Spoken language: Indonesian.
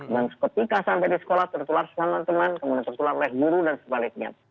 dan ketika sampai di sekolah tertular sama teman teman kemudian tertular oleh guru dan sebaliknya